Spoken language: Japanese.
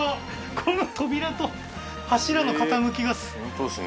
この扉と柱の傾きが相当ですね